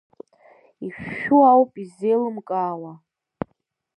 Ишәшәу ауп исзеилымкаауа.